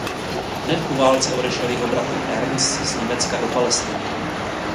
Hned po válce odešel jeho bratr Ernst z Německa do Palestiny.